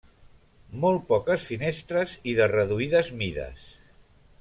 Molt poques finestres i de reduïdes mides.